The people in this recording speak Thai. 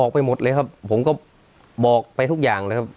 ไปหมดเลยครับผมก็บอกไปทุกอย่างเลยครับ